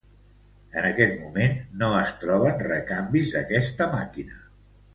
En aquest moment no es troben recanvis d'aquesta màquina.